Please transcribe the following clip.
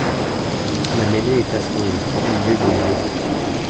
La mêlée est affreuse ; au milieu des huées